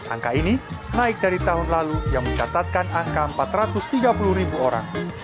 angka ini naik dari tahun lalu yang mencatatkan angka empat ratus tiga puluh ribu orang